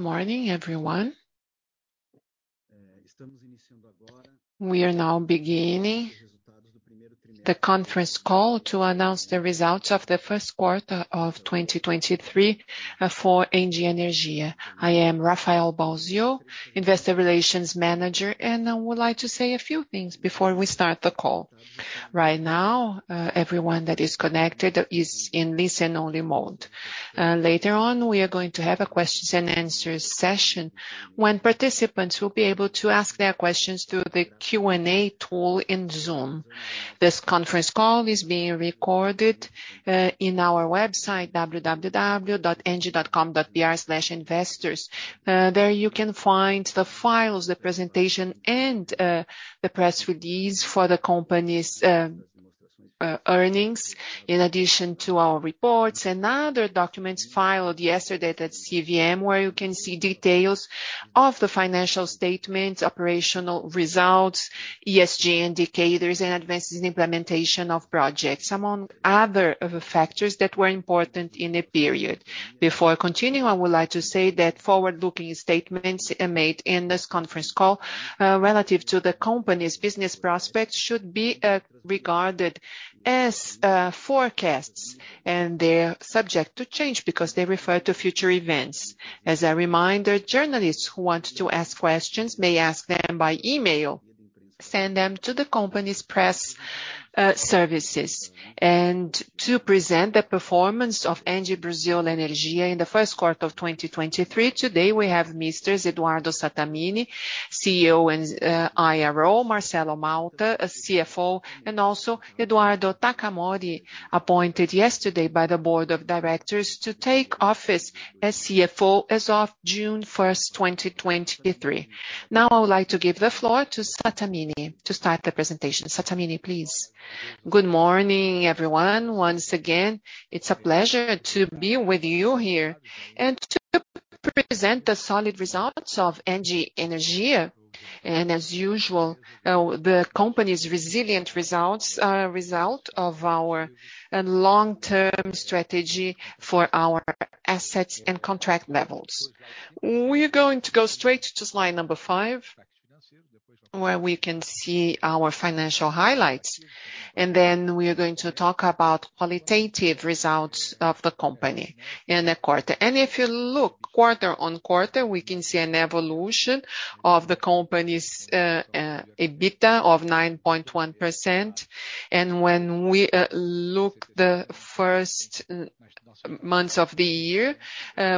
Good morning, everyone. We are now beginning the conference call to announce the results of the first quarter of 2023 for ENGIE Energia. I am Rafael Bosio, Investor Relations Manager, and I would like to say a few things before we start the call. Right now, everyone that is connected is in listen-only mode. Later on, we are going to have a questions and answers session when participants will be able to ask their questions through the Q&A tool in Zoom. This conference call is being recorded in our website, www.engie.com.br/investors. There you can find the files, the presentation and the press release for the company's earnings, in addition to our reports and other documents filed yesterday at CVM, where you can see details of the financial statements, operational results, ESG indicators, and advances in implementation of projects, among other of factors that were important in the period. Before I continue, I would like to say that forward-looking statements made in this conference call, relative to the company's business prospects should be regarded as forecasts, and they're subject to change because they refer to future events. As a reminder, journalists who want to ask questions may ask them by email. Send them to the company's press services. To present the performance of ENGIE Brasil Energia in the first quarter of 2023, today we have mister Eduardo Sattamini, CEO and IRO, Marcelo Malta, CFO, and also Eduardo Takamori, appointed yesterday by the board of directors to take office as CFO as of June 1st, 2023. I would like to give the floor to Sattamini to start the presentation. Sattamini, please. Good morning, everyone. Once again, it's a pleasure to be with you here and to present the solid results of ENGIE Energia. As usual, the company's resilient results are a result of our long-term strategy for our assets and contract levels. We are going to go straight to slide number five, where we can see our financial highlights, and then we are going to talk about qualitative results of the company in the quarter. If you look quarter-on-quarter, we can see an evolution of the company's EBITDA of 9.1%. When we look the first months of the year,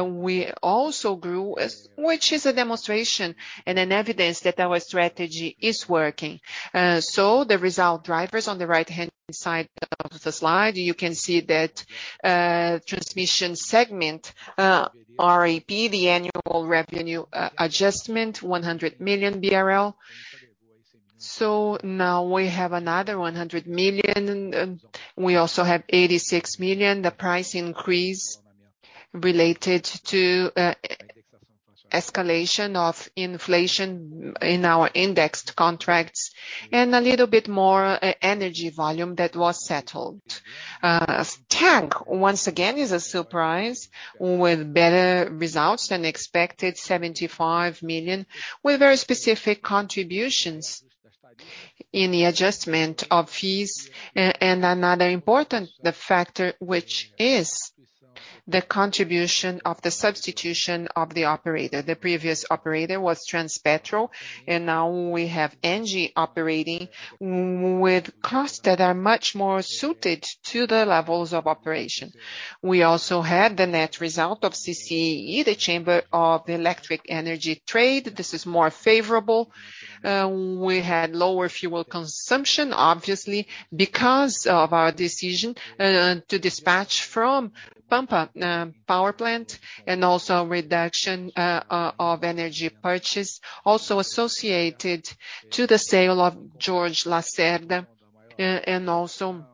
we also grew, which is a demonstration and an evidence that our strategy is working. The result drivers on the right-hand side of the slide, you can see that transmission segment RAP, the annual revenue adjustment, 100 million BRL. Now we have another 100 million. We also have 86 million, the price increase related to escalation of inflation in our indexed contracts and a little bit more energy volume that was settled. TAG, once again, is a surprise with better results than expected, 75 million, with very specific contributions in the adjustment of fees. Another important factor, which is the contribution of the substitution of the operator. The previous operator was Transpetro, now we have ENGIE operating with costs that are much more suited to the levels of operation. We also had the net result of CCEE, the Chamber of the Electric Energy Trade. This is more favorable. We had lower fuel consumption, obviously, because of our decision to dispatch from Pampa power plant, also a reduction of energy purchase, also associated to the sale of Jorge Lacerda, and also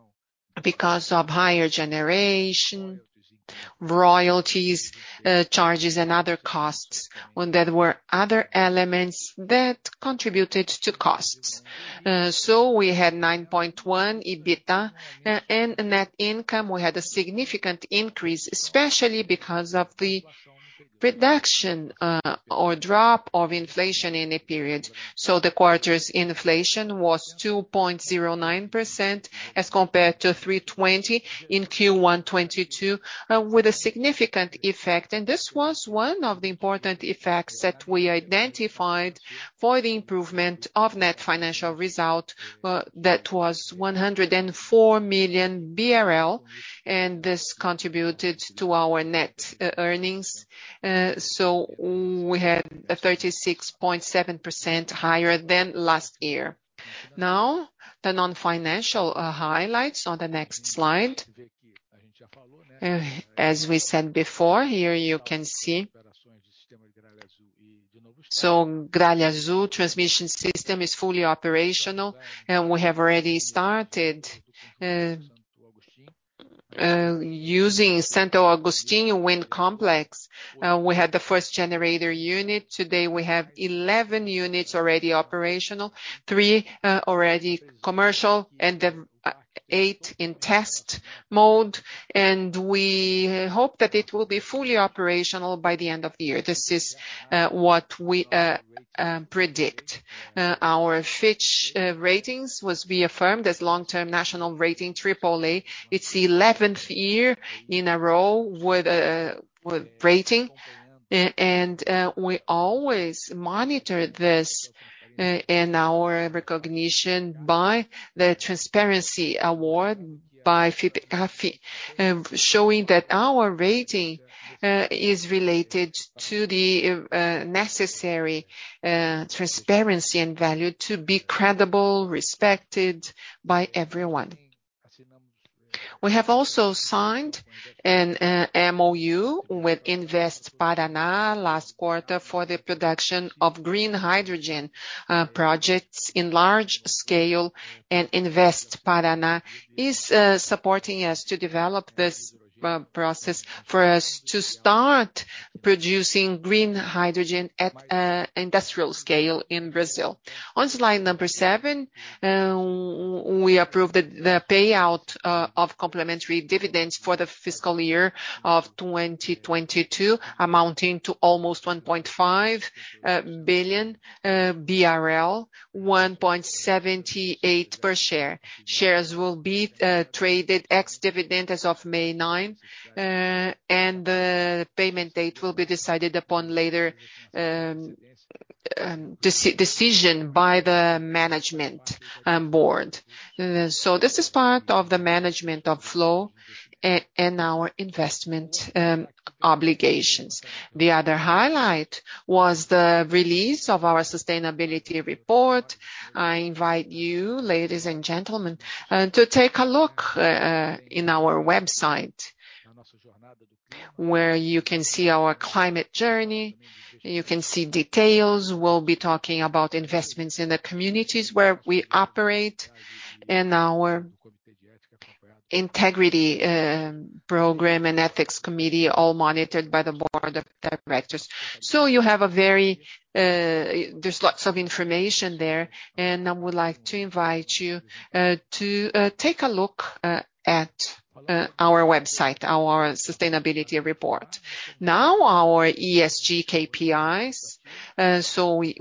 because of higher generation, royalties, charges, and other costs when there were other elements that contributed to costs. We had 9.1 EBITDA. Net income, we had a significant increase, especially because of the reduction or drop of inflation in the period. The quarter's inflation was 2.09% as compared to 3.20% in Q1 2022, with a significant effect. This was one of the important effects that we identified for the improvement of net financial result. That was 104 million BRL, and this contributed to our net earnings. We had a 36.7% higher than last year. Now, the non-financial highlights on the next slide. As we said before, here you can see. Gralha Azul transmission system is fully operational, and we have already started using Santo Agostinho Wind Complex. We had the first generator unit. Today, we have 11 units already operational, three already commercial, and eight in test mode, and we hope that it will be fully operational by the end of the year. This is what we predict. Our Fitch Ratings was reaffirmed as long-term national rating AAA. It's 11th year in a row with rating. We always monitor this in our recognition by the Transparency Award by FIPECAFI, showing that our rating is related to the necessary transparency and value to be credible, respected by everyone. We have also signed an MOU with Invest Paraná last quarter for the production of green hydrogen projects in large scale. Invest Paraná is supporting us to develop this process for us to start producing green hydrogen at industrial scale in Brazil. On slide number seven, we approved the payout of complementary dividends for the fiscal year of 2022, amounting to almost 1.5 billion BRL 1.78 per share. Shares will be traded ex-dividend as of May 9th, and the payment date will be decided upon later, decision by the management board. This is part of the management of flow and our investment obligations. The other highlight was the release of our sustainability report. I invite you, ladies and gentlemen, to take a look in our website where you can see our climate journey, you can see details. We'll be talking about investments in the communities where we operate and our integrity program and ethics committee, all monitored by the board of directors. You have a very. There's lots of information there. I would like to invite you to take a look at our website, our sustainability report. Now our ESG KPIs.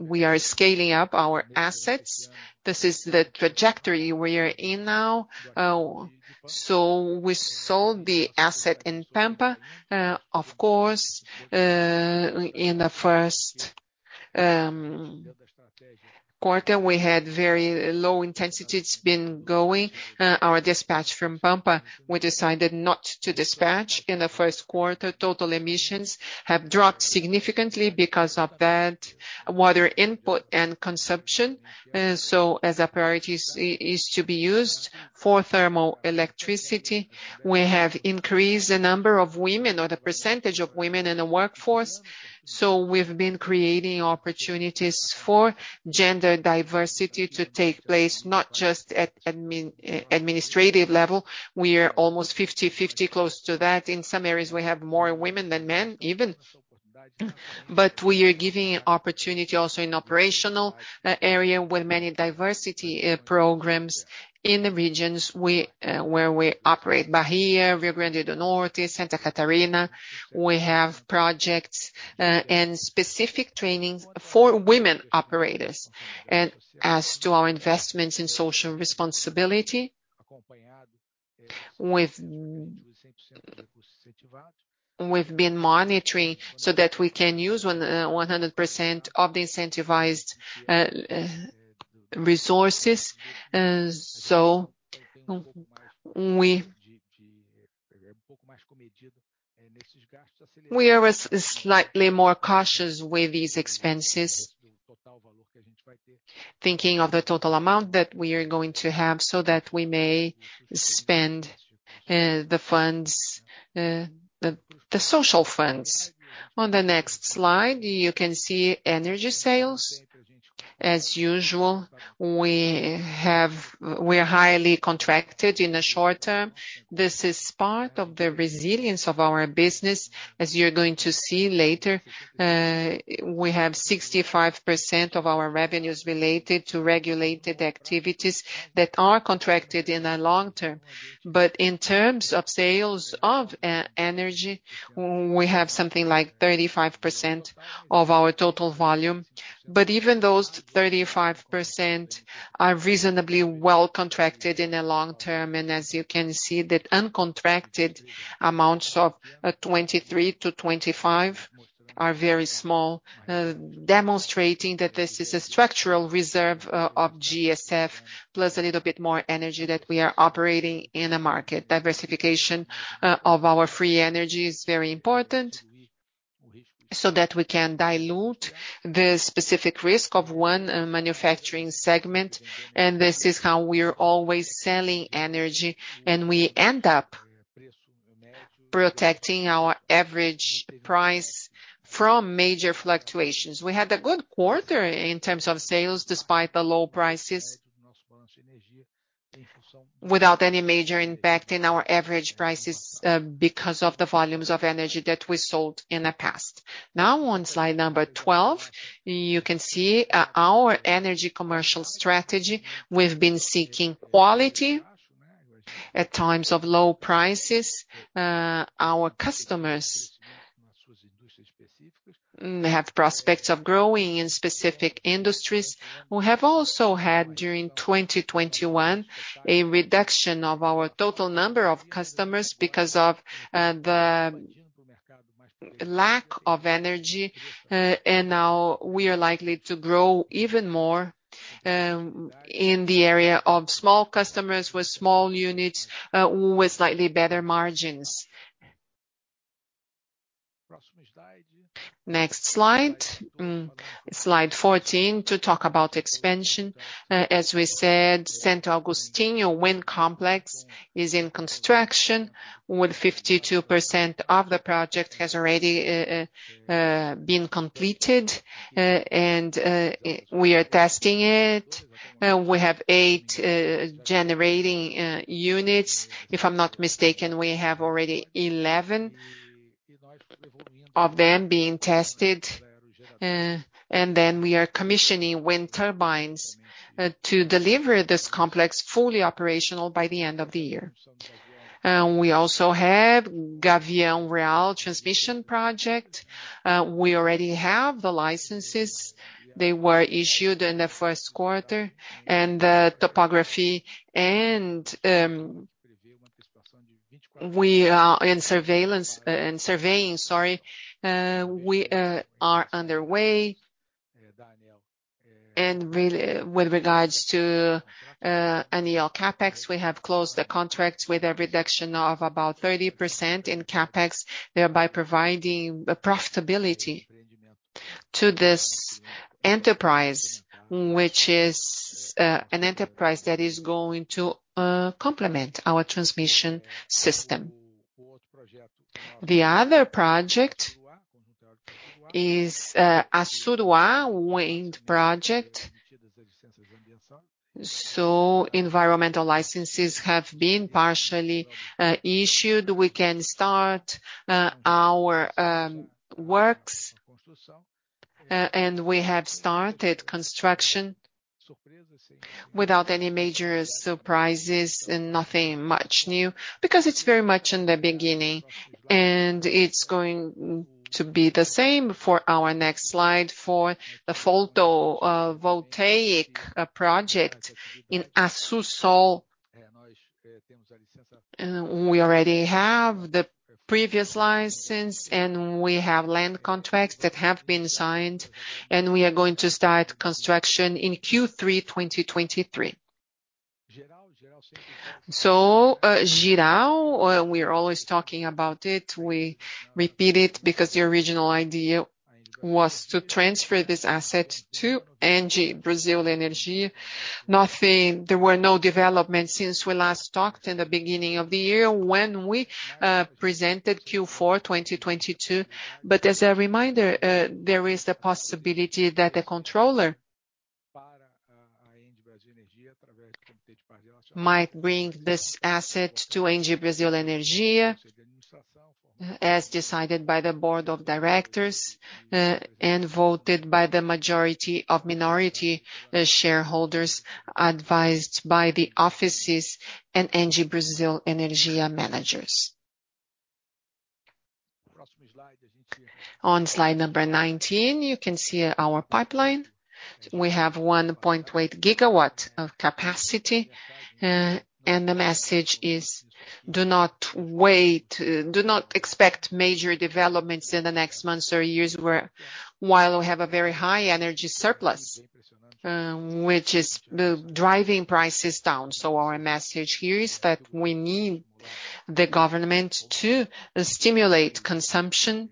We are scaling up our assets. This is the trajectory we are in now. We sold the asset in Pampa. Of course, in the first quarter, we had very low intensity. It's been going. Our dispatch from Pampa, we decided not to dispatch in the first quarter. Total emissions have dropped significantly because of that. Water input and consumption, as a priority is to be used for thermal electricity. We have increased the number of women or the percentage of women in the workforce. We've been creating opportunities for gender diversity to take place, not just at administrative level. We are almost 50/50 close to that. In some areas, we have more women than men even. We are giving opportunity also in operational area with many diversity programs in the regions we where we operate. Bahia, Rio Grande do Norte, Santa Catarina. We have projects and specific trainings for women operators. As to our investments in social responsibility, we've been monitoring so that we can use 100% of the incentivized resources. We are slightly more cautious with these expenses, thinking of the total amount that we are going to have so that we may spend the funds, the social funds. On the next slide, you can see energy sales. As usual, we're highly contracted in the short term. This is part of the resilience of our business. As you're going to see later, we have 65% of our revenues related to regulated activities that are contracted in the long term. In terms of sales of energy, we have something like 35% of our total volume. Even those 35% are reasonably well contracted in the long term. As you can see, the uncontracted amounts of 23%-25% are very small, demonstrating that this is a structural reserve of GSF, plus a little bit more energy that we are operating in the market. Diversification of our free energy is very important so that we can dilute the specific risk of one manufacturing segment. This is how we're always selling energy, and we end up protecting our average price from major fluctuations. We had a good quarter in terms of sales, despite the low prices, without any major impact in our average prices, because of the volumes of energy that we sold in the past. On slide number 12, you can see our energy commercial strategy. We've been seeking quality at times of low prices. Our customers have prospects of growing in specific industries. We have also had, during 2021, a reduction of our total number of customers because of the lack of energy. Now we are likely to grow even more in the area of small customers with small units, with slightly better margins. Next slide. Slide 14, to talk about expansion. As we said, Santo Agostinho Wind Complex is in construction, with 52% of the project has already been completed. We are testing it. We have eight generating units. If I'm not mistaken, we have already 11 of them being tested. We are commissioning wind turbines to deliver this complex fully operational by the end of the year. We also have Gavião Real transmission project. We already have the licenses. They were issued in the first quarter. The topography and we are in surveillance, in surveying, sorry, we are underway. With regards to ANEEL CapEx, we have closed the contract with a reduction of about 30% in CapEx, thereby providing a profitability to this enterprise, which is an enterprise that is going to complement our transmission system. The other project is Assuruá Wind project. Environmental licenses have been partially issued. We can start our works. We have started construction without any major surprises and nothing much new, because it's very much in the beginning. It's going to be the same for our next slide for the photo voltaic project in Assú Sol. We already have the previous license, and we have land contracts that have been signed, and we are going to start construction in Q3 2023. Geração, we're always talking about it. We repeat it because the original idea was to transfer this asset to ENGIE Brasil Energia. There were no developments since we last talked in the beginning of the year when we presented Q4 2022. As a reminder, there is the possibility that the controller might bring this asset to ENGIE Brasil Energia, as decided by the board of directors, and voted by the majority of minority shareholders advised by the offices and ENGIE Brasil Energia managers. On slide number 19, you can see our pipeline. We have 1.8 GW of capacity. The message is do not wait. Do not expect major developments in the next months or years while we have a very high energy surplus, which is driving prices down. Our message here is that we need the government to stimulate consumption,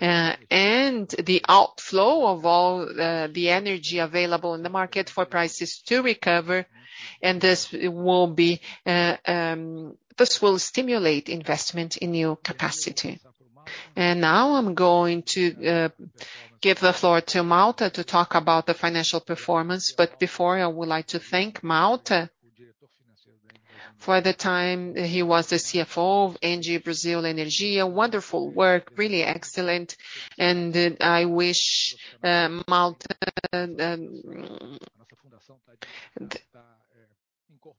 and the outflow of all the energy available in the market for prices to recover. This will stimulate investment in new capacity. Now I'm going to give the floor to Malta to talk about the financial performance. Before, I would like to thank Malta for the time he was the CFO of ENGIE Brasil Energia. Wonderful work. Really excellent. I wish Malta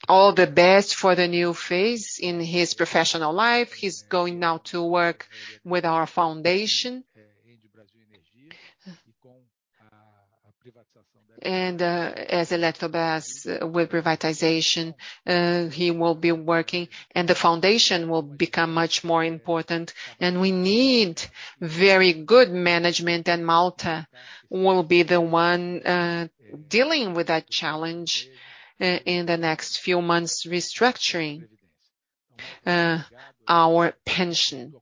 all the best for the new phase in his professional life. He's going now to work with our foundation. As Eletrobras with revitalization, he will be working, and the foundation will become much more important. We need very good management, and Malta will be the one dealing with that challenge in the next few months, restructuring our pension.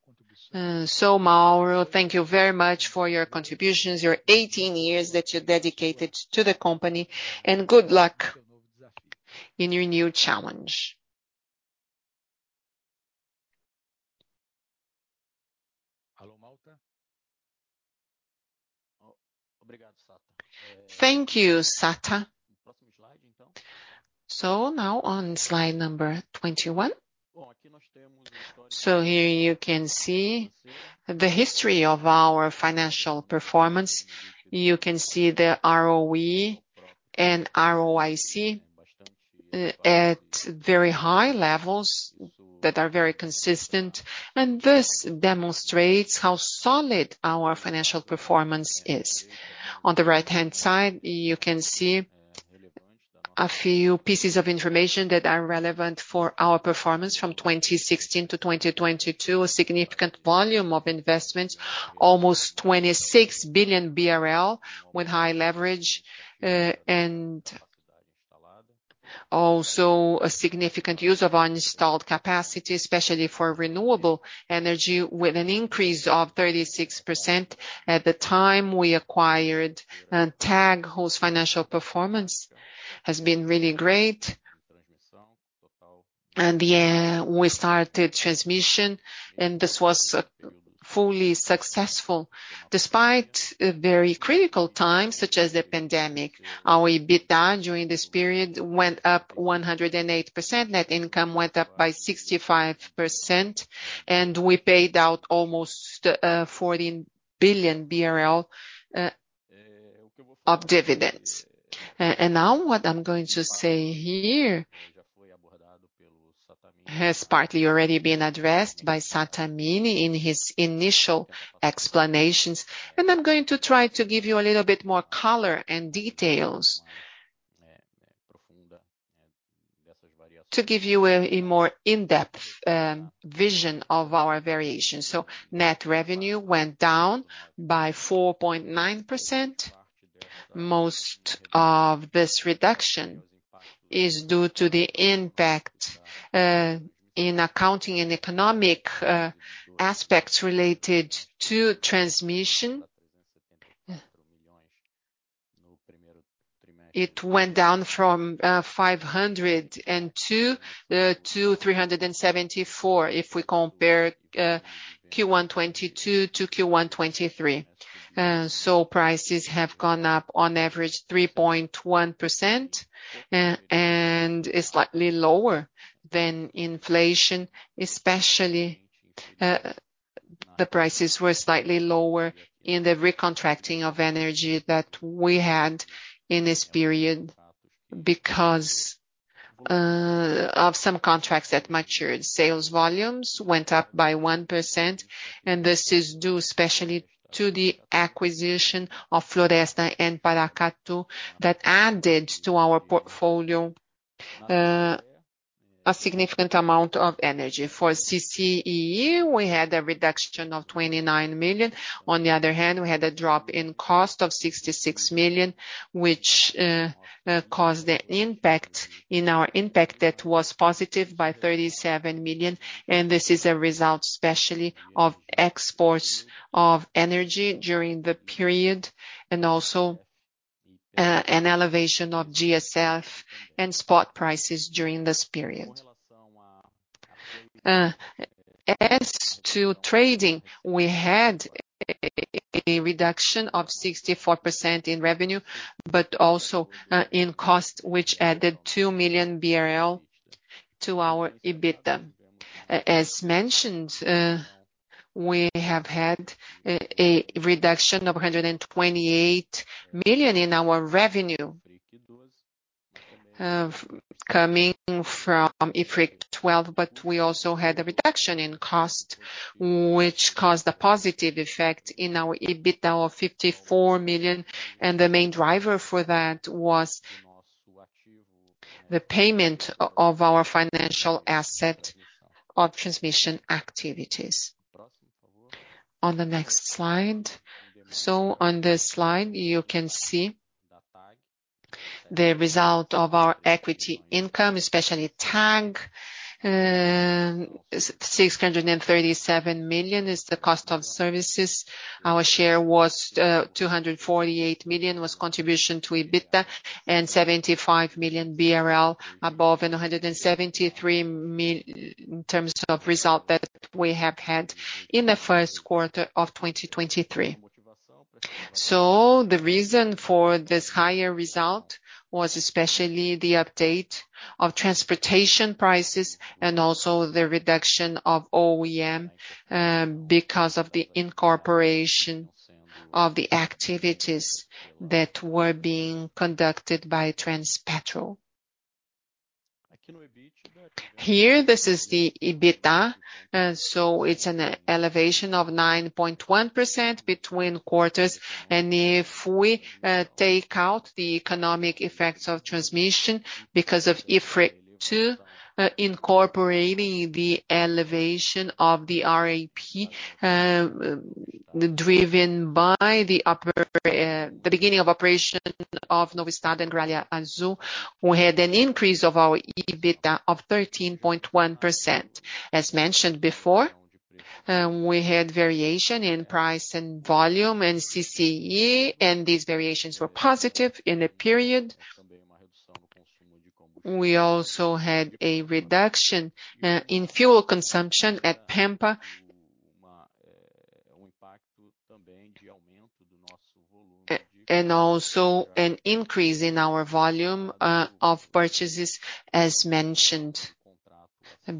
Mauro, thank you very much for your contributions, your 18 years that you dedicated to the company, and good luck in your new challenge. Hello, Malta. Thank you, SattaSo now on slide number 21. Here you can see the history of our financial performance. You can see the ROE and ROIC at very high levels that are very consistent, and this demonstrates how solid our financial performance is. On the right-hand side, you can see a few pieces of information that are relevant for our performance from 2016-2022, a significant volume of investments, almost 26 billion BRL with high leverage, and also a significant use of our installed capacity, especially for renewable energy, with an increase of 36%. At the time, we acquired TAG, whose financial performance has been really great. Yeah, we started transmission, and this was fully successful. Despite a very critical time, such as the pandemic, our EBITDA during this period went up 108%, net income went up by 65%, and we paid out almost 14 billion BRL of dividends. Now what I'm going to say here has partly already been addressed by Satamini in his initial explanations, and I'm going to try to give you a little bit more color and details to give you a more in-depth vision of our variation. Net revenue went down by 4.9%. Most of this reduction is due to the impact in accounting and economic aspects related to transmission. It went down from 502-374 if we compare Q1 2022-Q1 2023. Prices have gone up on average 3.1%, and it's slightly lower than inflation, especially, the prices were slightly lower in the recontracting of energy that we had in this period because of some contracts that matured. Sales volumes went up by 1%, this is due especially to the acquisition of Floresta and Paracatu that added to our portfolio, a significant amount of energy. For CCEE, we had a reduction of 29 million. On the other hand, we had a drop in cost of 66 million, which caused the impact in our impact that was positive by 37 million, this is a result especially of exports of energy during the period and also, an elevation of GSF and spot prices during this period. As to trading, we had a reduction of 64% in revenue, but also in cost, which added 2 million BRL to our EBITDA. As mentioned, we have had a reduction of 128 million in our revenue, coming from IFRIC 12, but we also had a reduction in cost, which caused a positive effect in our EBITDA of 54 million, the main driver for that was the payment of our financial asset of transmission activities. On the next slide. On this slide, you can see the result of our equity income, especially TAG. 637 million is the cost of services. Our share was 248 million, was contribution to EBITDA, 75 million BRL above, 173 million in terms of result that we have had in the first quarter of 2023. The reason for this higher result was especially the update of transportation prices and also the reduction of O&M because of the incorporation of the activities that were being conducted by Transpetro. Here, this is the EBITDA, it's an elevation of 9.1% between quarters. If we take out the economic effects of transmission because of IFRIC 12, incorporating the elevation of the RAP, driven by the upper, the beginning of operation of Novo Estado and Gralha Azul, we had an increase of our EBITDA of 13.1%. As mentioned before, we had variation in price and volume in CCEE. These variations were positive in the period. We also had a reduction in fuel consumption at Pampa and also an increase in our volume of purchases as mentioned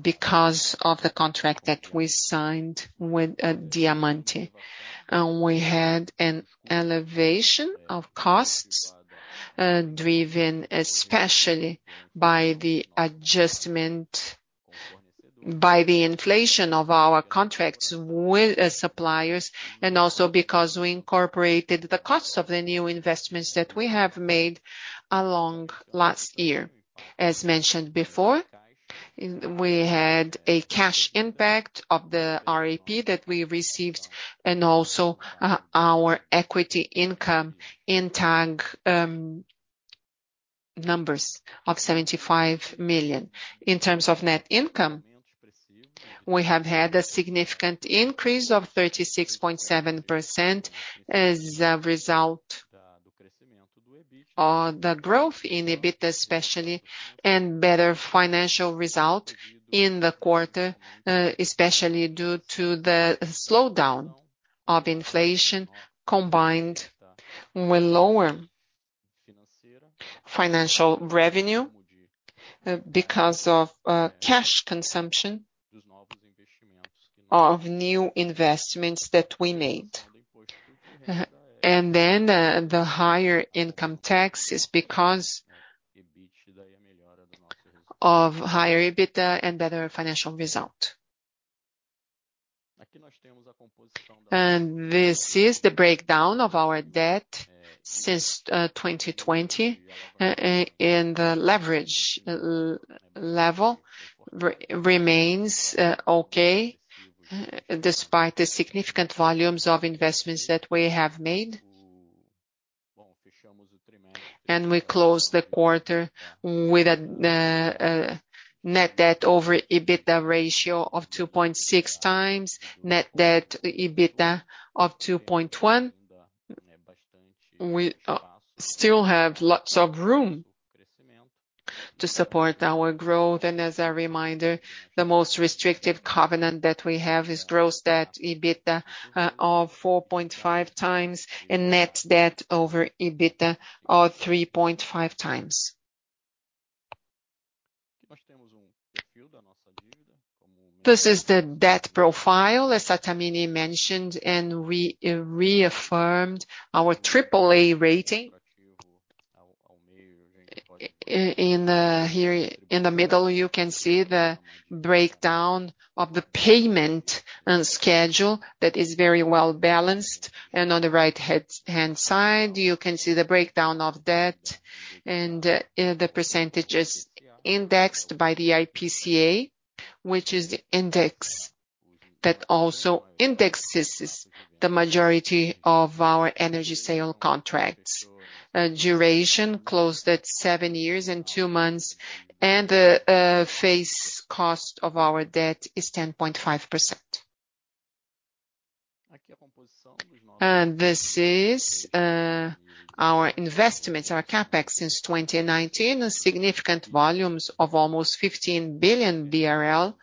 because of the contract that we signed with Diamante. We had an elevation of costs driven especially by the adjustment by the inflation of our contracts with suppliers, and also because we incorporated the cost of the new investments that we have made along last year. As mentioned before, we had a cash impact of the RAP that we received, and also our equity income in TAG numbers of 75 million. In terms of net income, we have had a significant increase of 36.7% as a result of the growth in EBITDA, especially, and better financial result in the quarter, especially due to the slowdown of inflation combined with lower financial revenue because of cash consumption of new investments that we made. Then, the higher income tax is because of higher EBITDA and better financial result. This is the breakdown of our debt since 2020. The leverage level remains okay, despite the significant volumes of investments that we have made. We closed the quarter with a net debt over EBITDA ratio of 2.6x, net debt to EBITDA of 2.1. We still have lots of room to support our growth. As a reminder, the most restrictive covenant that we have is gross debt to EBITDA of 4.5x and net debt over EBITDA of 3.5x. This is the debt profile, as Sattamini mentioned, and we reaffirmed our AAA rating. Here in the middle, you can see the breakdown of the payment schedule that is very well-balanced. On the right hand side, you can see the breakdown of debt and the percentages indexed by the IPCA, which is the index that also indexes the majority of our energy sale contracts. Duration closed at seven years and two months, and the face cost of our debt is 10.5%. This is our investments, our CapEx since 2019. A significant volumes of almost 15 billion BRL.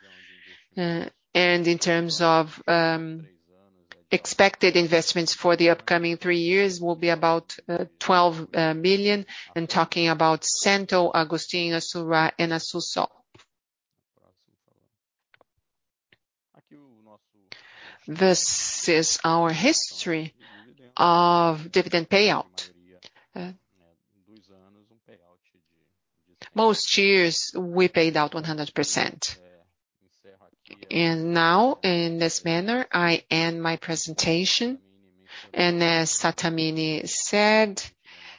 In terms of expected investments for the upcoming three years will be about 12 billion. I'm talking about Santo Agostinho, Assuruá and Assú Sol. This is our history of dividend payout. Most years we paid out 100%. Now, in this manner, I end my presentation. As Sattamini said,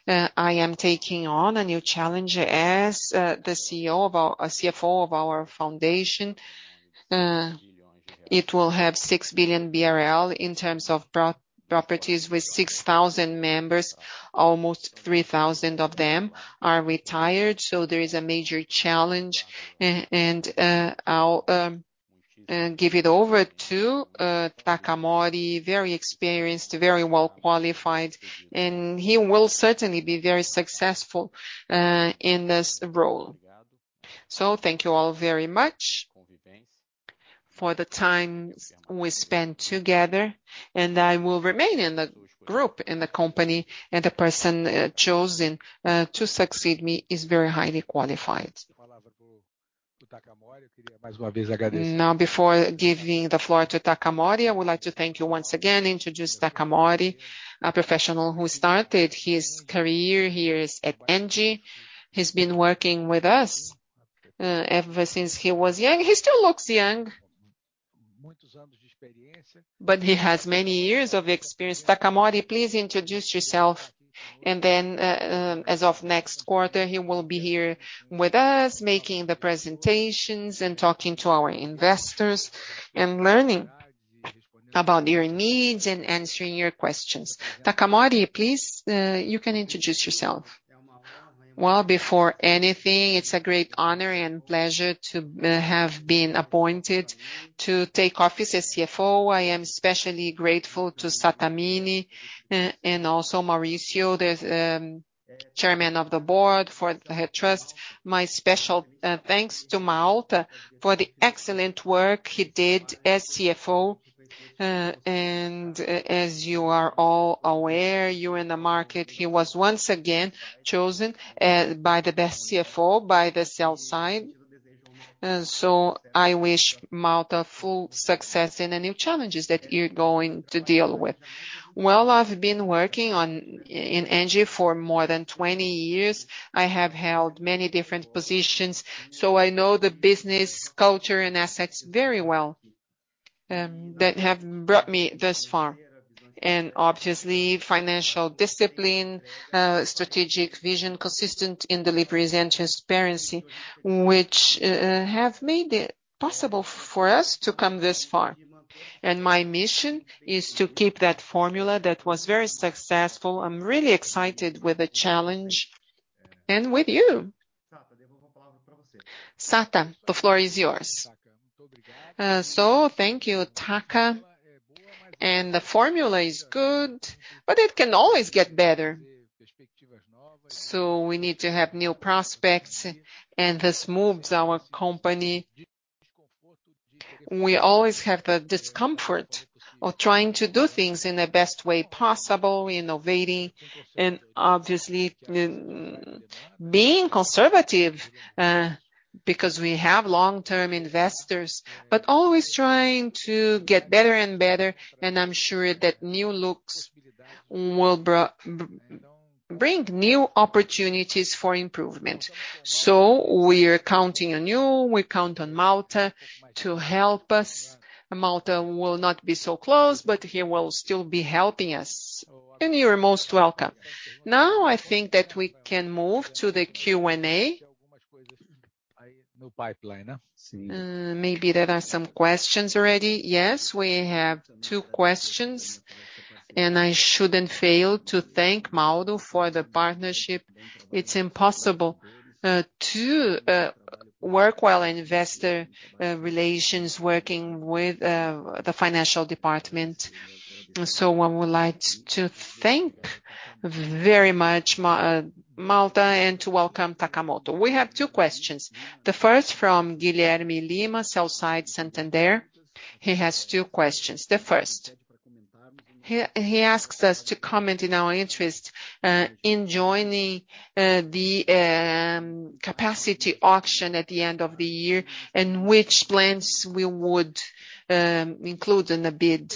I am taking on a new challenge as the CFO of our foundation. It will have 6 billion BRL in terms of pro-properties with 6,000 members. Almost 3,000 of them are retired, so there is a major challenge. I'll give it over to Takamori, very experienced, very well qualified, and he will certainly be very successful in this role. Thank you all very much for the time we spent together, and I will remain in the group, in the company, and the person chosen to succeed me is very highly qualified. Before giving the floor to Takamori, I would like to thank you once again, introduce Takamori, a professional who started his career here at Engie. He's been working with us ever since he was young. He still looks young. He has many years of experience. Takamori, please introduce yourself. As of next quarter, he will be here with us making the presentations and talking to our investors and learning about your needs and answering your questions. Takamori, please, you can introduce yourself. Before anything, it's a great honor and pleasure to have been appointed to take office as CFO. I am especially grateful to Sattamini and also Mauricio. There's Chairman of the Board for the trust. My special thanks to Malta for the excellent work he did as CFO. As you are all aware, you in the market, he was once again chosen by the best CFO, by the sell side. I wish Malta full success in the new challenges that you're going to deal with. Well, I've been working in ENGIE for more than 20 years. I have held many different positions, I know the business, culture and assets very well that have brought me thus far. Obviously, financial discipline, strategic vision, consistent in deliveries and transparency, which have made it possible for us to come this far. My mission is to keep that formula that was very successful. I'm really excited with the challenge and with you. Satta, the floor is yours. Thank you, Taka. The formula is good, but it can always get better. We need to have new prospects, and this moves our company. We always have the discomfort of trying to do things in the best way possible, innovating and obviously, being conservative, because we have long-term investors, but always trying to get better and better, and I'm sure that new looks will bring new opportunities for improvement. We are counting on you. We count on Malta to help us. Malta will not be so close, but he will still be helping us. You are most welcome. Now, I think that we can move to the Q&A. Maybe there are some questions already. Yes, we have two questions. I shouldn't fail to thank Malta for the partnership. It's impossible to work well investor relations working with the financial department. I would like to thank very much Malta and to welcome Takamori. We have two questions. The first from Guilherme Lima, sell-side Santander. He has two questions. The first, he asks us to comment in our interest in joining the capacity auction at the end of the year and which plans we would include in the bid.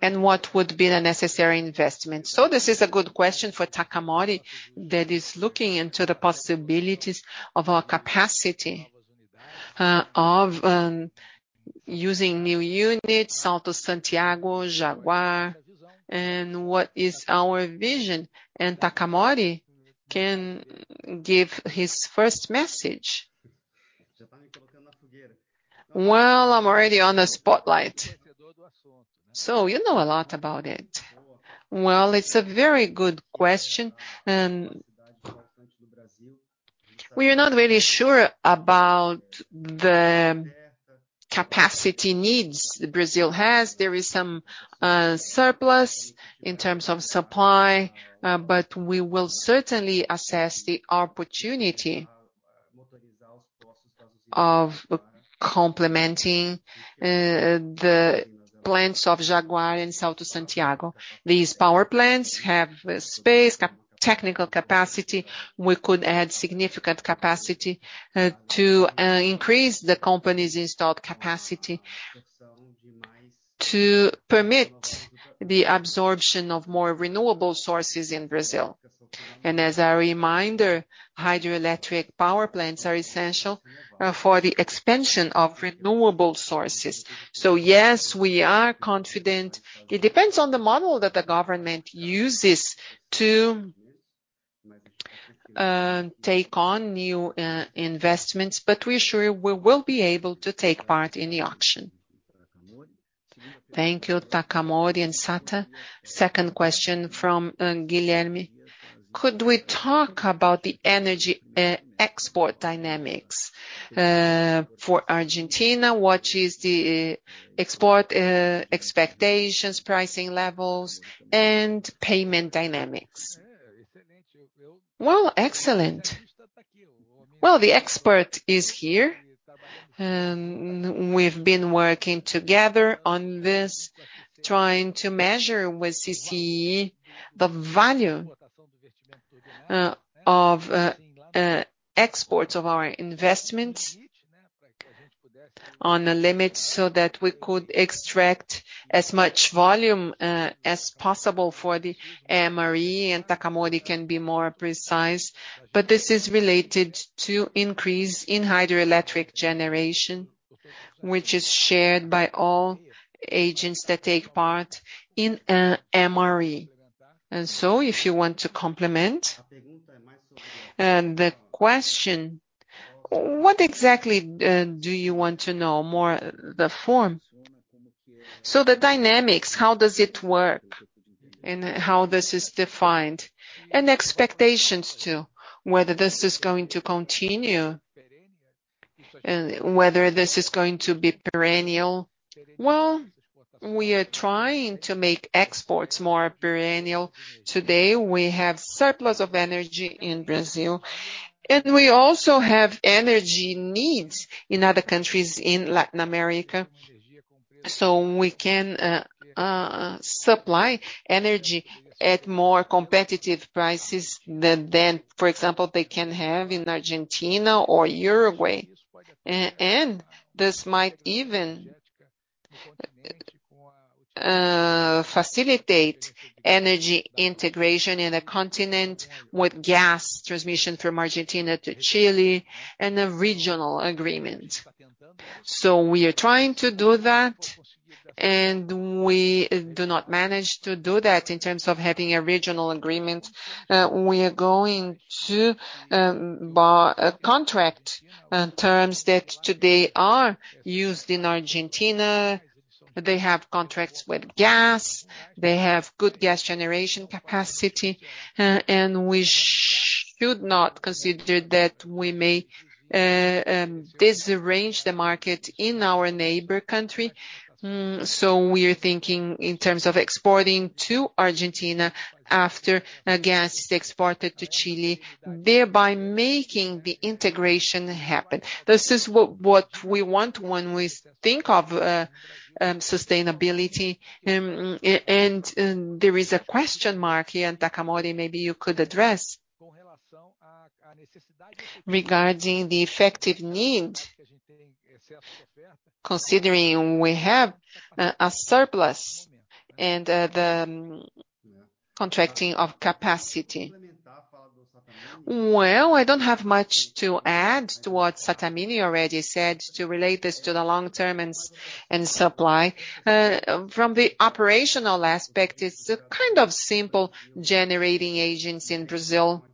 What would be the necessary investment. This is a good question for Takamori that is looking into the possibilities of our capacity of using new units, Salto Santiago, Jaguara, and what is our vision. Takamori can give his first message. Well, I'm already on the spotlight. You know a lot about it. Well, it's a very good question. We are not really sure about the capacity needs Brazil has. There is some surplus in terms of supply, but we will certainly assess the opportunity of complementing the plants of Jaguara and Alto Sertão. These power plants have space, technical capacity. We could add significant capacity to increase the company's installed capacity to permit the absorption of more renewable sources in Brazil. As a reminder, hydroelectric power plants are essential for the expansion of renewable sources. Yes, we are confident. It depends on the model that the government uses to take on new investments, but we're sure we will be able to take part in the auction. Thank you, Takamori and Sata. Second question from Guilherme. Could we talk about the energy export dynamics for Argentina? What is the export expectations, pricing levels and payment dynamics? Well, excellent. Well, the expert is here. We've been working together on this, trying to measure with CCE the value of exports of our investments on a limit so that we could extract as much volume as possible for the MRE. Takamori can be more precise. This is related to increase in hydroelectric generation, which is shared by all agents that take part in MRE. If you want to complement. The question, what exactly do you want to know more, the form? The dynamics, how does it work and how this is defined? Expectations too, whether this is going to continueAnd whether this is going to be perennial. We are trying to make exports more perennial. Today, we have surplus of energy in Brazil, and we also have energy needs in other countries in Latin America, so we can supply energy at more competitive prices than, for example, they can have in Argentina or Uruguay. This might even facilitate energy integration in a continent with gas transmission from Argentina to Chile and a regional agreement. We are trying to do that, and we do not manage to do that in terms of having a regional agreement. We are going to contract terms that today are used in Argentina. They have contracts with gas, they have good gas generation capacity, and we should not consider that we may disarrange the market in our neighbor country. We are thinking in terms of exporting to Argentina after a gas is exported to Chile, thereby making the integration happen. This is what we want when we think of sustainability. There is a question mark, and Takamori, maybe you could address regarding the effective need, considering we have a surplus and the contracting of capacity. I don't have much to add to what Satamini already said to relate this to the long-term and supply. From the operational aspect, it's a kind of simple generating agents in Brazil.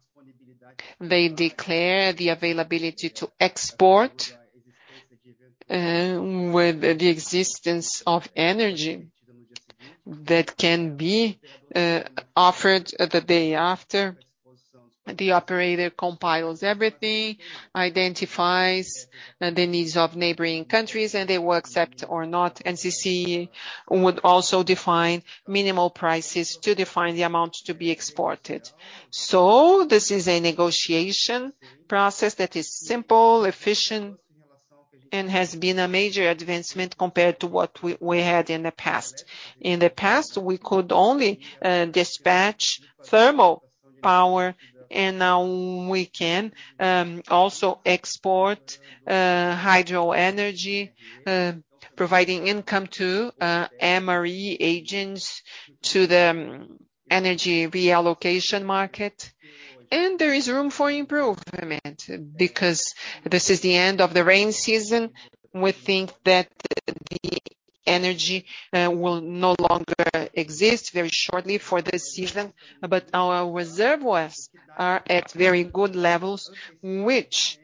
They declare the availability to export with the existence of energy that can be offered the day after. The operator compiles everything, identifies the needs of neighboring countries, and they will accept or not. NCC would also define minimal prices to define the amount to be exported. This is a negotiation process that is simple, efficient, and has been a major advancement compared to what we had in the past. In the past, we could only dispatch thermal power, and now we can also export hydro energy, providing income to MRE agents to the energy reallocation market. There is room for improvement because this is the end of the rain season. We think that the energy will no longer exist very shortly for this season, but our reservoirs are at very good levels, which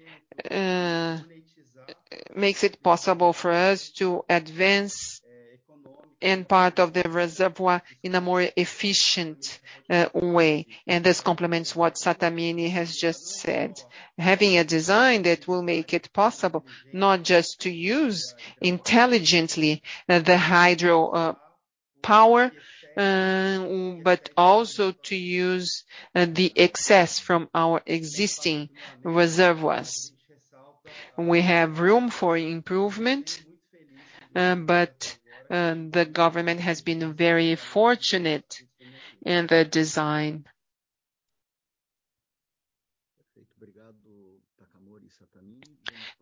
makes it possible for us to advance in part of the reservoir in a more efficient way. This complements what Sattamini has just said. Having a design that will make it possible not just to use intelligently, the hydro power, but also to use the excess from our existing reservoirs. We have room for improvement, but the government has been very fortunate in the design.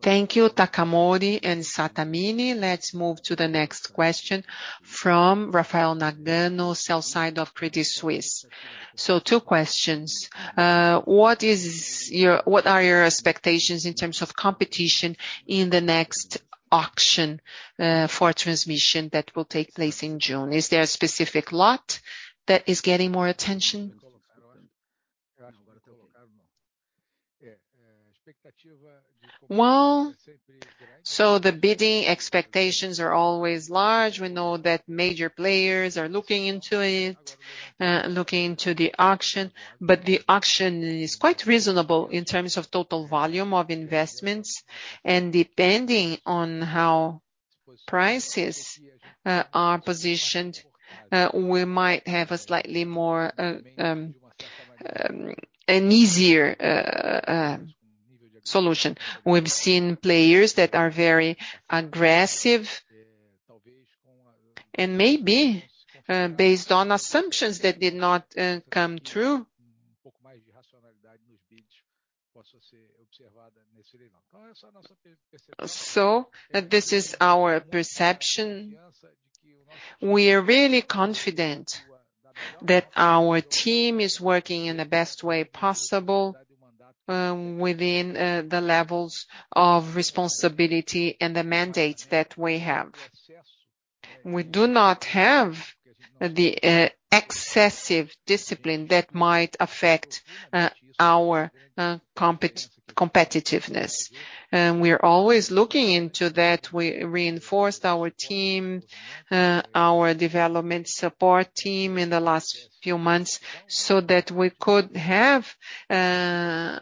Thank you, Takamori and Sattamini. Let's move to the next question from Rafael Nagano, sell side of Credit Suisse. Two questions. What are your expectations in terms of competition in the next auction for transmission that will take place in June? Is there a specific lot that is getting more attention? The bidding expectations are always large. We know that major players are looking into it, looking into the auction, but the auction is quite reasonable in terms of total volume of investments. Depending on how prices are positioned, we might have a slightly more an easier solution. We've seen players that are very aggressive and maybe based on assumptions that did not come true. This is our perception. We are really confident that our team is working in the best way possible within the levels of responsibility and the mandates that we have. We do not have the excessive discipline that might affect our competitiveness. We're always looking into that. We reinforced our team, our development support team in the last few months so that we could have a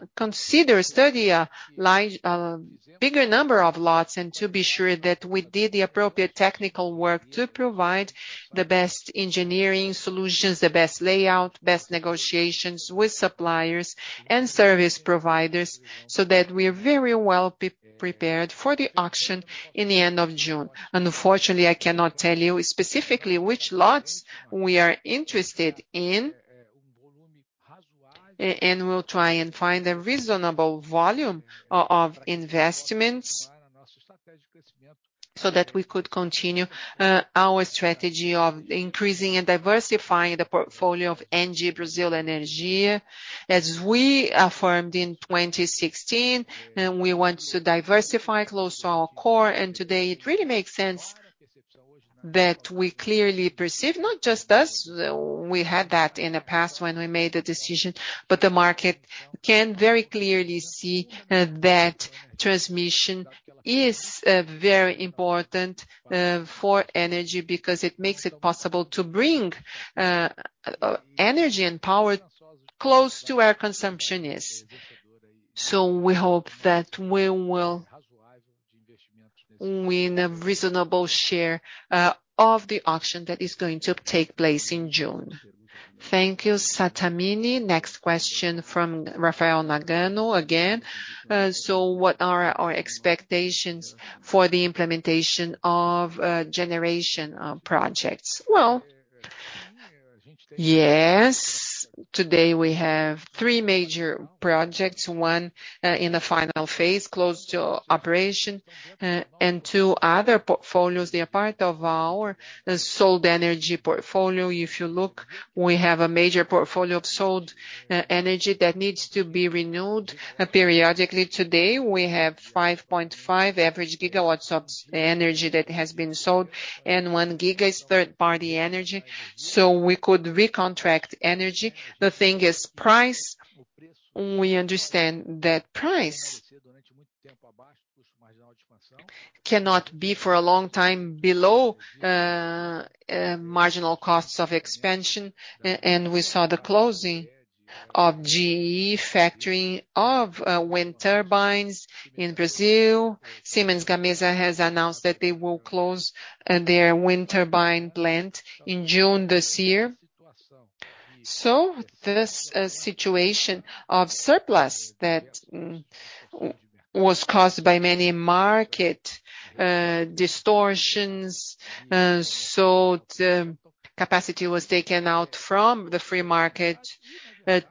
bigger number of lots, to be sure that we did the appropriate technical work to provide the best engineering solutions, the best layout, best negotiations with suppliers and service providers, so that we're very well pre-prepared for the auction in the end of June. Unfortunately, I cannot tell you specifically which lots we are interested in. We'll try and find a reasonable volume of investments so that we could continue our strategy of increasing and diversifying the portfolio of ENGIE Brasil Energia. As we affirmed in 2016, we want to diversify close to our core. Today, it really makes sense that we clearly perceive, not just us, we had that in the past when we made the decision, but the market can very clearly see that transmission is very important for energy because it makes it possible to bring energy and power close to our consumption needs. We hope that we will win a reasonable share of the auction that is going to take place in June. Thank you, Satamini. Next question from Rafael Nagano. Again, what are our expectations for the implementation of generation projects? Well, yes. Today we have three major projects, 1 in the final phase, close to operation, and two other portfolios. They're part of our sold energy portfolio. If you look, we have a major portfolio of sold energy that needs to be renewed periodically. Today, we have 5.5 average GW of energy that has been sold, and one giga is third-party energy, so we could recontract energy. The thing is price. We understand that price cannot be for a long time below marginal costs of expansion. We saw the closing of GE factory of wind turbines in Brazil. Siemens Gamesa has announced that they will close their wind turbine plant in June this year. This situation of surplus that was caused by many market distortions, so the capacity was taken out from the free market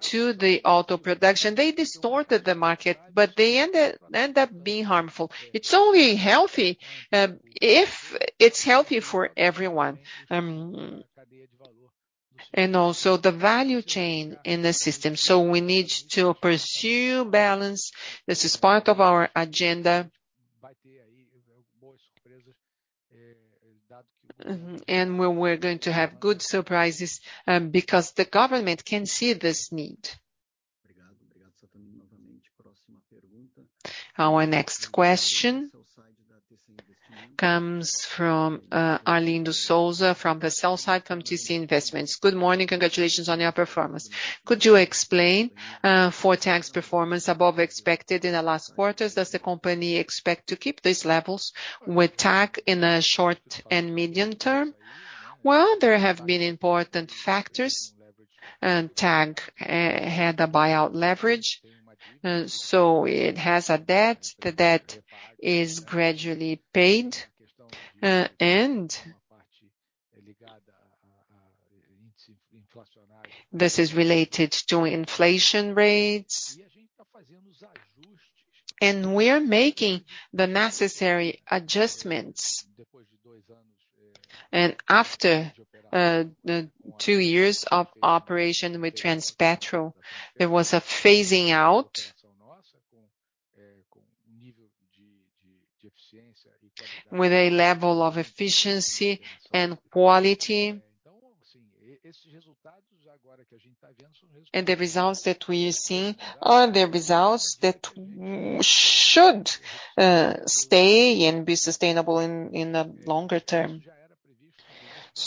to the auto production. They distorted the market, but they end up being harmful. It's only healthy if it's healthy for everyone, and also the value chain in the system. We need to pursue balance. This is part of our agenda. We're going to have good surprises because the government can see this need. Our next question comes from Arlindo Souza from the sell-side from TC Investments. Good morning. Congratulations on your performance. Could you explain for TAG's performance above expected in the last quarters, does the company expect to keep these levels with TAG in the short and medium term? Well, there have been important factors, and TAG had a buyout leverage, so it has a debt. The debt is gradually paid. This is related to inflation rates. We are making the necessary adjustments. After the two years of operation with Transpetro, there was a phasing out with a level of efficiency and quality. The results that we're seeing are the results that should stay and be sustainable in the longer term.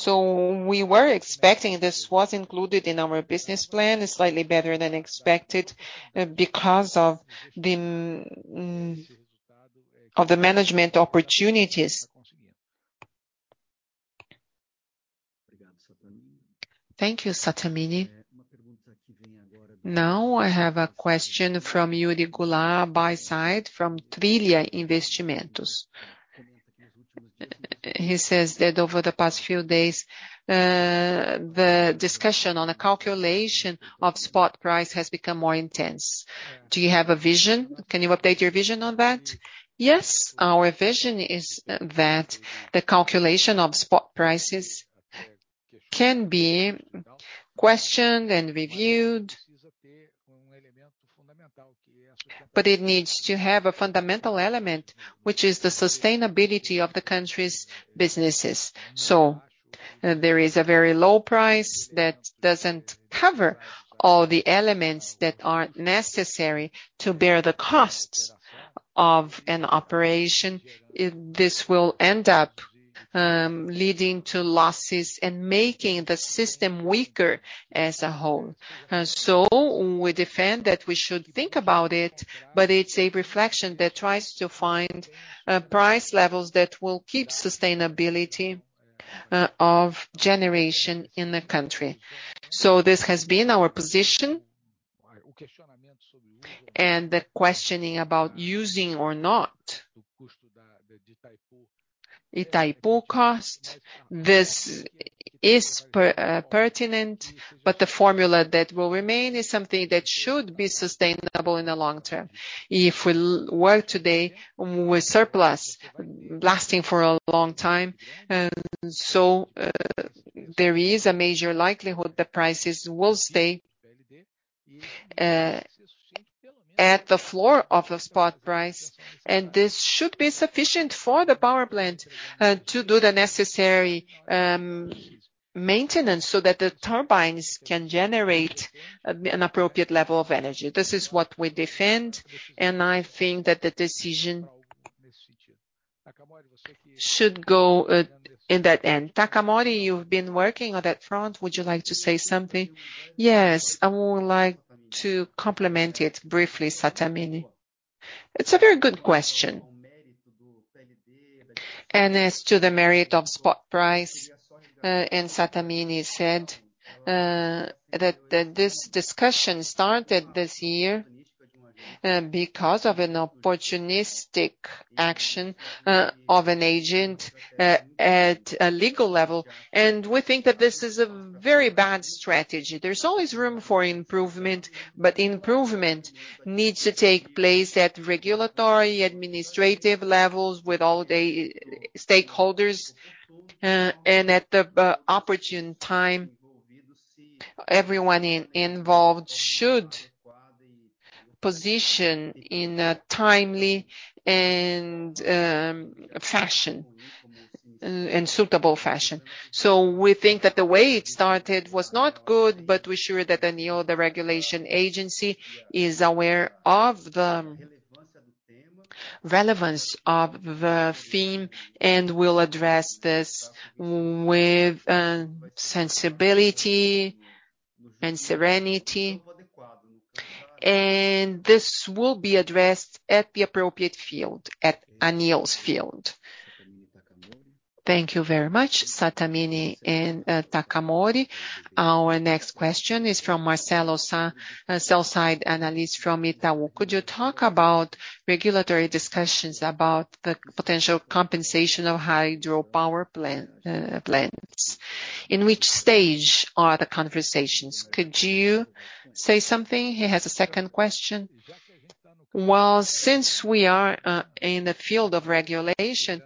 We were expecting this. It was included in our business plan. It's slightly better than expected because of the management opportunities. Thank you, Sattamini. I have a question from Yuri Goulart, buy side from Trília Investimentos. He says that over the past few days, the discussion on the calculation of spot price has become more intense. Do you have a vision? Can you update your vision on that? Yes. Our vision is that the calculation of spot prices can be questioned and reviewed, but it needs to have a fundamental element, which is the sustainability of the country's businesses. There is a very low price that doesn't cover all the elements that are necessary to bear the costs of an operation, this will end up leading to losses and making the system weaker as a whole. We defend that we should think about it, but it's a reflection that tries to find price levels that will keep sustainability of generation in the country. This has been our position. The questioning about using or not Itaipu cost, this is pertinent, but the formula that will remain is something that should be sustainable in the long term. If we were today with surplus lasting for a long time, there is a major likelihood the prices will stay at the floor of the spot price, and this should be sufficient for the power plant to do the necessary maintenance so that the turbines can generate an appropriate level of energy. This is what we defend, and I think that the decision should go at, in that end. Takamori, you've been working on that front. Would you like to say something? Yes. I would like to complement it briefly, Sattamini. It's a very good question. As to the merit of spot price, and Sattamini said, that this discussion started this year, because of an opportunistic action, of an agent at a legal level. We think that this is a very bad strategy. There's always room for improvement, but improvement needs to take place at regulatory, administrative levels with all the stakeholders, and at the opportune time, everyone involved should position in a timely and fashion, and suitable fashion. We think that the way it started was not good, but we're sure that ANEEL, the regulation agency, is aware of the relevance of the theme and will address this with sensibility and serenity. This will be addressed at the appropriate field, at ANEEL's field. Thank you very much, Satamini and Takamori. Our next question is from Marcelo Sá, Sell-side, analyst from Itaú. Could you talk about regulatory discussions about the potential compensation of hydropower plants? In which stage are the conversations? Could you say something? He has a second question. Well, since we are in the field of regulation,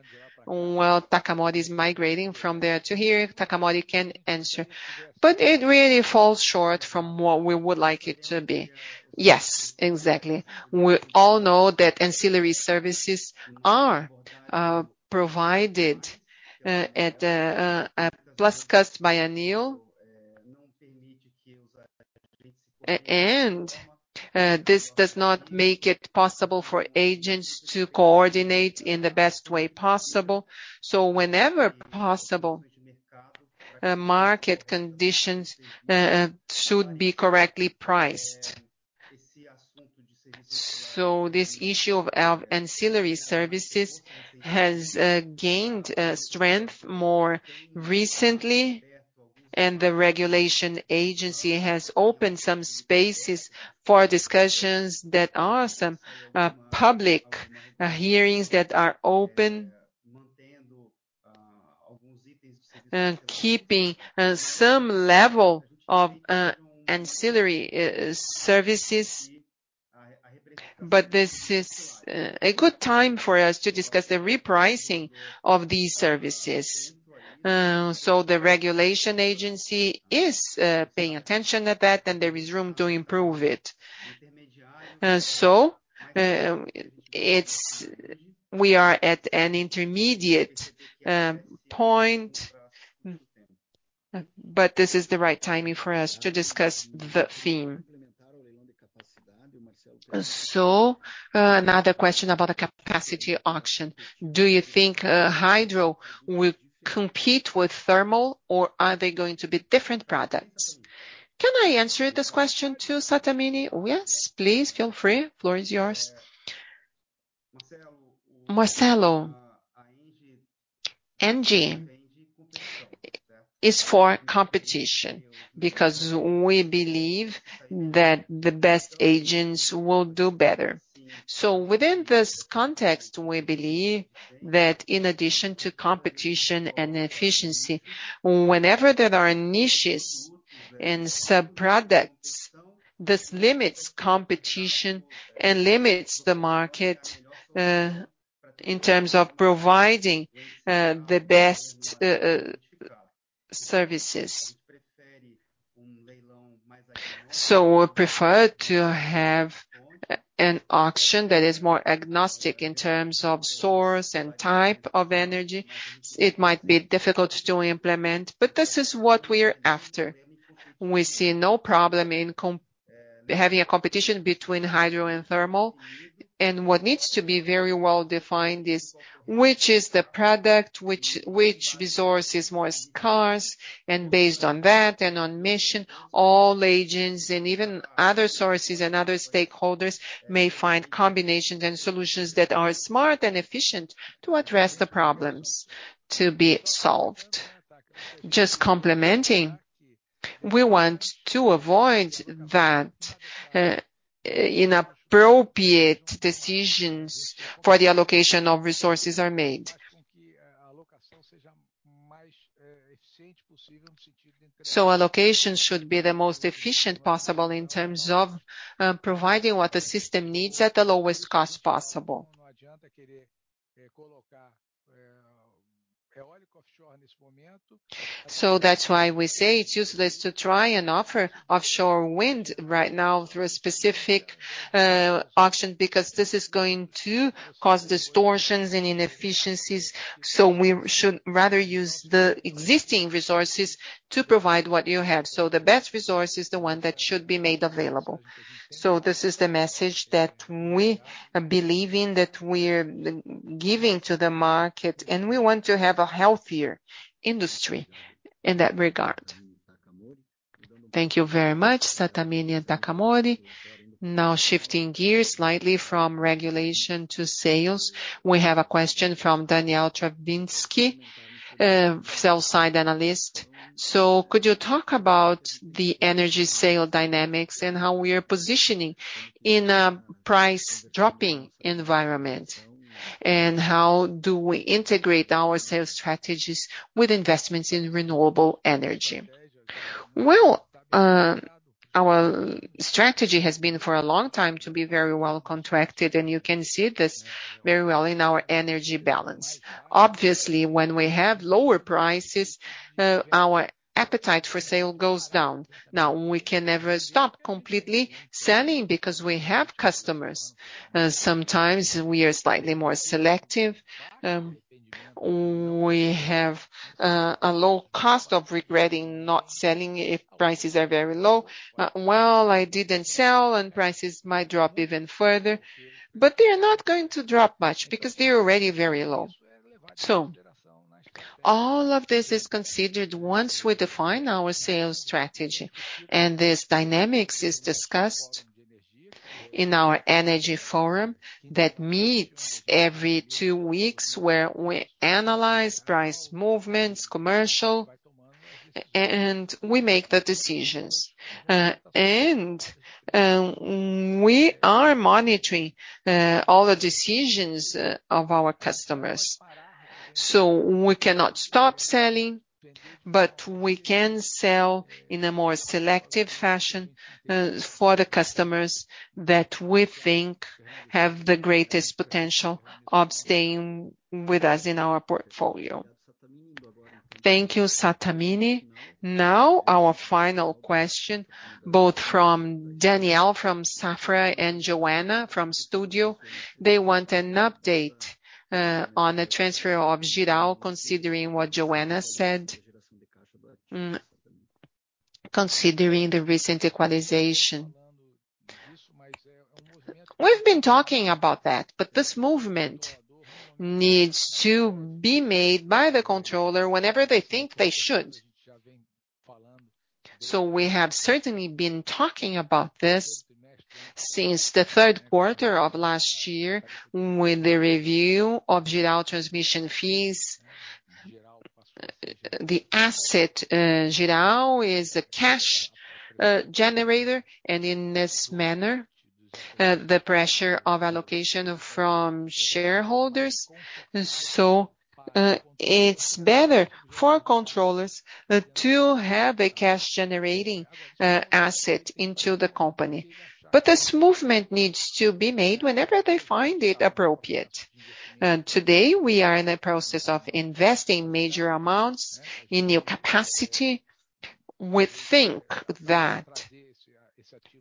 well, Takamori is migrating from there to here, Takamori can answer. It really falls short from what we would like it to be. Yes, exactly. We all know that ancillary services are provided at a plus cost by ANEEL. This does not make it possible for agents to coordinate in the best way possible. Whenever possible, market conditions should be correctly priced. This issue of ancillary services has gained strength more recently, and the regulation agency has opened some spaces for discussions that are some public hearings that are open, keeping some level of ancillary services. This is a good time for us to discuss the repricing of these services. The regulation agency is paying attention to that, and there is room to improve it. We are at an intermediate point, but this is the right timing for us to discuss the theme. Another question about the capacity auction. Do you think hydro will compete with thermal, or are they going to be different products? Can I answer this question too, Sattamini? Yes, please feel free. Floor is yours. Marcelo, ENGIE is for competition because we believe that the best agents will do better. Within this context, we believe that in addition to competition and efficiency, whenever there are niches and sub-products, this limits competition and limits the market in terms of providing the best services. We prefer to have an auction that is more agnostic in terms of source and type of energy. It might be difficult to implement, but this is what we are after. We see no problem in having a competition between hydro and thermal. What needs to be very well-defined is which is the product, which resource is more scarce. Based on that and on mission, all agents and even other sources and other stakeholders may find combinations and solutions that are smart and efficient to address the problems to be solved. Just complementing, we want to avoid that inappropriate decisions for the allocation of resources are made. Allocation should be the most efficient possible in terms of providing what the system needs at the lowest cost possible. That's why we say it's useless to try and offer offshore wind right now through a specific auction, because this is going to cause distortions and inefficiencies, we should rather use the existing resources to provide what you have. The best resource is the one that should be made available. This is the message that we are believing, that we're giving to the market, and we want to have a healthier industry in that regard. Thank you very much, Sattamini and Takamori. Shifting gears slightly from regulation to sales. We have a question from Daniel Travitzky, sell-side analyst. Could you talk about the energy sale dynamics and how we are positioning in a price-dropping environment? How do we integrate our sales strategies with investments in renewable energy? Well, our strategy has been, for a long time, to be very well contracted, and you can see this very well in our energy balance. Obviously, when we have lower prices, our appetite for sale goes down. We can never stop completely selling because we have customers. Sometimes we are slightly more selective. We have a low cost of regretting not selling if prices are very low. Well, I didn't sell, and prices might drop even further, but they are not going to drop much because they're already very low. All of this is considered once we define our sales strategy. This dynamics is discussed in our energy forum that meets every two weeks, where we analyze price movements, commercial, and we make the decisions. We are monitoring all the decisions of our customers. We cannot stop selling, but we can sell in a more selective fashion for the customers that we think have the greatest potential of staying with us in our portfolio. Thank you, Sattamini. Our final question, both from Daniel, from Safra, and Joanna from Studio. They want an update on the transfer of Jirau, considering what Joanna said, considering the recent equalization. We've been talking about that. This movement needs to be made by the controller whenever they think they should. We have certainly been talking about this since the third quarter of last year with the review of Jirau transmission fees. The asset, Jirau, is a cash generator, and in this manner, the pressure of allocation from shareholders. It's better for controllers to have a cash-generating asset into the company. This movement needs to be made whenever they find it appropriate. Today, we are in the process of investing major amounts in new capacity. We think that,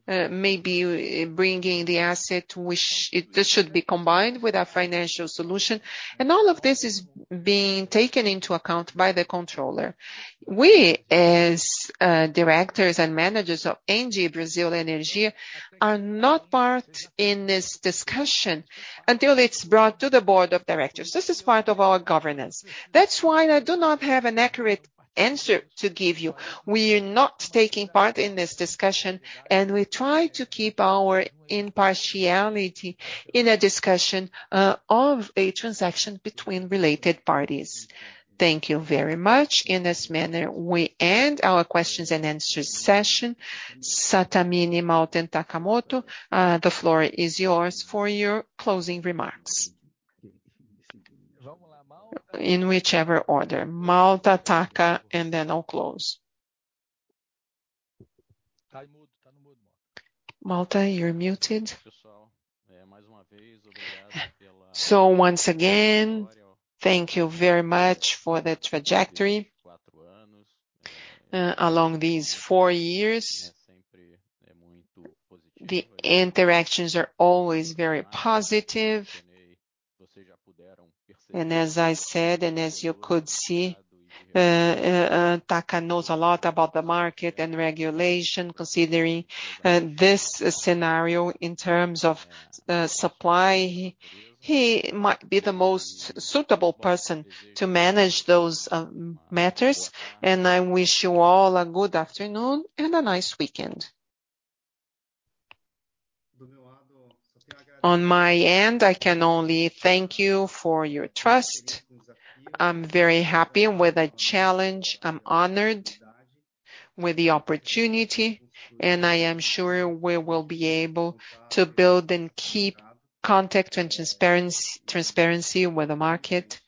maybe bringing the asset. This should be combined with a financial solution. All of this is being taken into account by the controller. We as directors and managers of ENGIE Brasil Energia are not part in this discussion until it's brought to the board of directors. This is part of our governance. That's why I do not have an accurate answer to give you. We are not taking part in this discussion, and we try to keep our impartiality in a discussion of a transaction between related parties. Thank you very much. In this manner, we end our questions and answers session. Sattamini, Malta, and Takamori, the floor is yours for your closing remarks. In whichever order, Malta, Taka, and then I'll close. Malta, you're muted. Once again, thank you very much for the trajectory along these four years. The interactions are always very positive. As I said, and as you could see, Taka knows a lot about the market and regulation, considering this scenario in terms of supply. He might be the most suitable person to manage those matters. I wish you all a good afternoon and a nice weekend. On my end, I can only thank you for your trust. I'm very happy with the challenge. I'm honored with the opportunity. I am sure we will be able to build and keep contact and transparency with the market.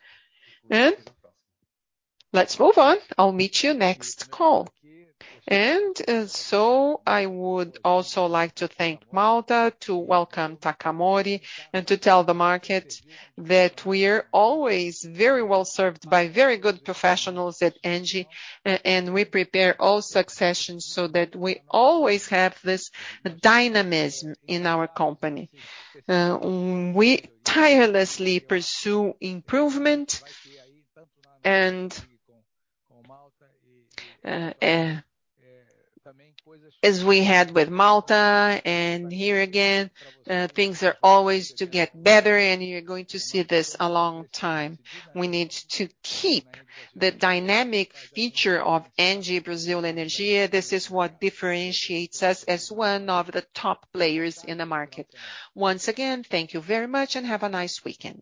Let's move on. I'll meet you next call. I would also like to thank Malta, to welcome Takamori, and to tell the market that we are always very well-served by very good professionals at ENGIE, and we prepare all successions so that we always have this dynamism in our company. We tirelessly pursue improvement, as we had with Malta and here again, things are always to get better, and you're going to see this a long time. We need to keep the dynamic feature of ENGIE Brasil Energia. This is what differentiates us as one of the top players in the market. Once again, thank you very much. Have a nice weekend.